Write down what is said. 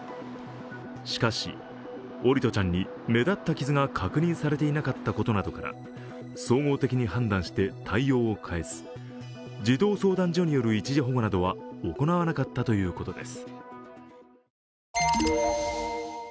しかし、桜利斗ちゃんに目立った傷が確認されていなかったことなどから総合的に判断して対応を変えず、児童相談所による一時保護などは行わなかったということです。